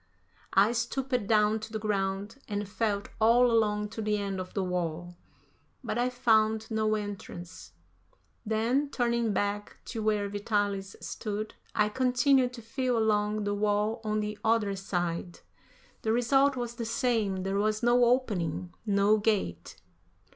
I stooped down to the ground and felt all along to the end of the wall, but I found no entrance; then, turning back to where Vitalis stood, I continued to feel along the wall on the other side. The result was the same; there was no opening, no gate.